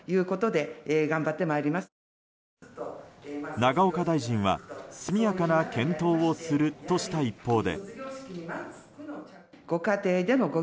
永岡大臣は、速やかな検討をするとした一方で。